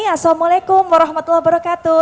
assalamualaikum warahmatullahi wabarakatuh